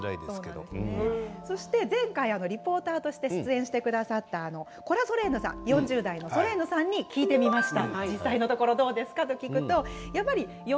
前回リポーターとして出演してくださったコラ・ソレーヌさんに聞いてみました。